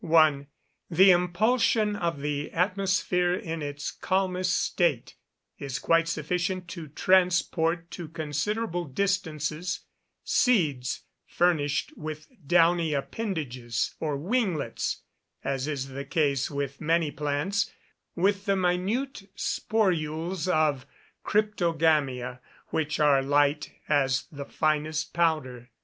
1. The impulsion of the atmosphere in its calmest state, is quite sufficient to transport to considerable distances seeds furnished with downy appendages or winglets, as is the case with many plants, with the minute sporules of cryptogamia, which are light as the finest powder.